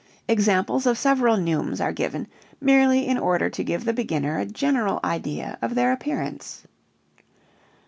Examples of several neumes are given merely in order to give the beginner a general idea of their appearance.